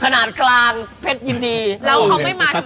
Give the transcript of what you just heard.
น้ำมันพื้นถวดใช่มั้ย